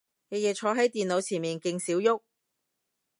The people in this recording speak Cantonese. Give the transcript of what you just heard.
日日坐係電腦前面勁少郁